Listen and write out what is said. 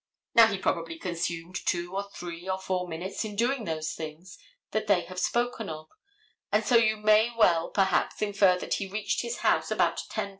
Now he probably consumed two or three or four minutes in doing those things that they have spoken of, and so you may well, perhaps, infer that he reached his house about 10:45.